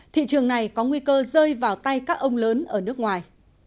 thị trường này có nguy cơ rơi vào tay các ông lớn ở nước ngoài